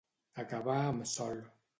Acabar amb sol.